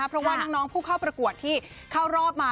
เพราะว่าน้องผู้เข้าประกวดที่เข้ารอบมา